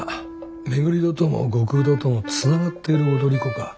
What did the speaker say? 廻戸とも後工田ともつながっている踊り子か。